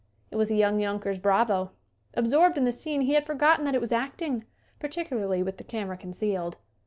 It was a young Yonkers bravo. Absorbed in the scene he had forgotten that it was acting, particularly with the camera concealed.